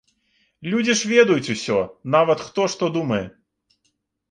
Людзі ж ведаюць усё, нават хто што думае.